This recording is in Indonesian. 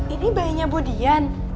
ini bayinya budian